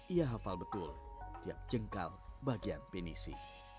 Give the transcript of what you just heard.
ia hafal betul tiap jengkal bagian pinisi